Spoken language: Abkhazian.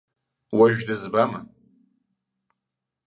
Уажә дызбама!